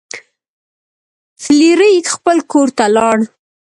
فلیریک خپل کور ته لاړ.